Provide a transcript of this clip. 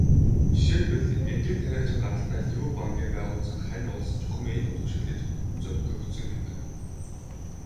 Жишээлбэл, энгийн тариачин гаралтай Лю Бангийн байгуулсан Хань улс чухам энд түшиглэж зөвтгөгдсөн гэдэг.